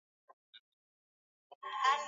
kumi na moja ya mwezi wa machi